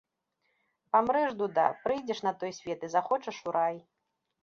Памрэш, дуда, прыйдзеш на той свет і захочаш у рай.